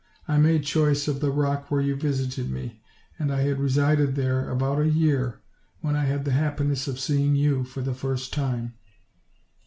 I made choice of the rock where you visited me; and I had resided there about a 3 ear when I had the happiness of seeing you for the first time.